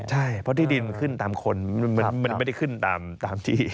ใช่เพราะที่ดินมันขึ้นตามคนมันไม่ได้ขึ้นตามที่